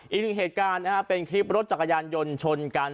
อีกหนึ่งเหตุการณ์นะครับเป็นคลิปรถจักรยานยนต์ชนกัน